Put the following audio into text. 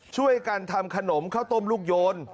ช่วยกันทำขนมข้าวต้มลูกโยน